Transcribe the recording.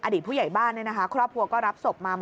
อดีตผู้ใหญ่บ้านเนี่ยนะคะครอบครัวก็รับศพมา